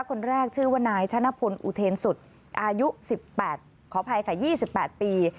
คนแรกชื่อว่านายชนะพลอุเทนสุดอายุ๑๘ขออภัยค่ะ๒๘ปี